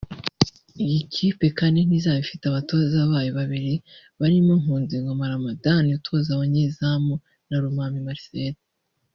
Iyi kipe kandi ntizaba ifite abatoza bayo babiri barimo Nkunzingoma Ramadhan utoza abanyezamu na Lomami Marcel